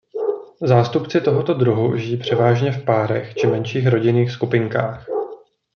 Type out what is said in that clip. Zástupci tohoto druhu žijí převážně v párech či menších rodinných skupinkách.